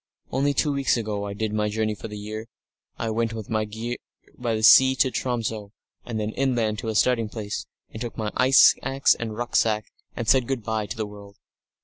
Only two weeks ago I did my journey for the year. I went with my gear by sea to Tromso, and then inland to a starting place, and took my ice axe and rucksack, and said good bye to the world.